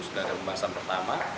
sudah ada pembahasan pertama